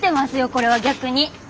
これは逆に。